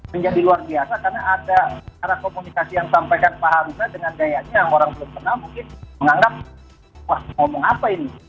menjadi luar biasa karena ada arah komunikasi yang sampaikan pak harusa dengan gayanya yang orang belum pernah mungkin menganggap wah ngomong apa ini